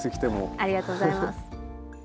ありがとうございます。